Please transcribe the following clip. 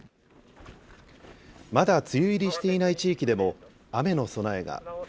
まだ梅雨入りしていない地域でも雨の備えが。